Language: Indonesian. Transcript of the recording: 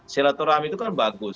silaturahmi itu kan bagus